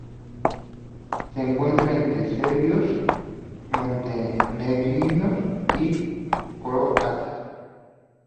Se encuentra entre serbios, montenegrinos y croatas.